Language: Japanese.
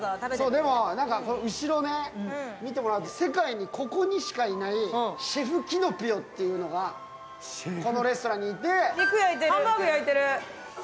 でも、後ろ、見てもらうと世界にここにしかいないシェフキノピオっていうのがこのレストランにいて。